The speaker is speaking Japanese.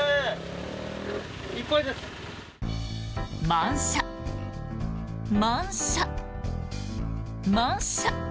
満車、満車、満車。